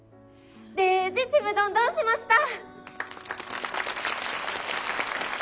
デージちむどんどんしました！